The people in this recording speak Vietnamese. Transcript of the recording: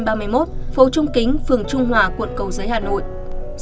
phố trung kính phường trung hòa quận cầu giấy hà nội